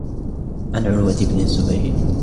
عَنْ عُرْوَةَ بْنِ الزُّبَيْرِ